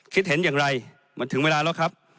คิดเห็นอย่างไรมันถึงเวลาแล้วครับ